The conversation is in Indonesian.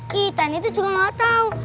kita nih tuh juga gak tau